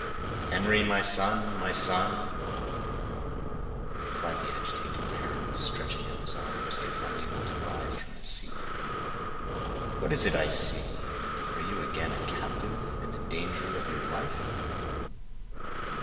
"Henry—my son, my son," cried the agitated parent, stretching out his arms, yet unable to rise from his seat; "what is it I see; are you again a captive, and in danger of your life?"